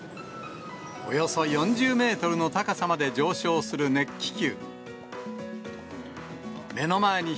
およそ４０メートルの高さまで上昇する熱気球。